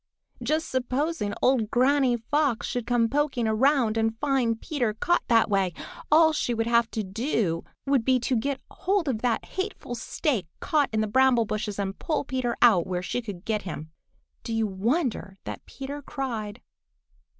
Just supposing old Granny Fox should come poking around and find Peter caught that way! All she would have to do would be to get hold of that hateful stake caught in the bramble bushes and pull Peter out where she could get him. Do you wonder that Peter cried?